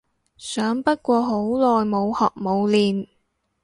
想不過好耐冇學冇練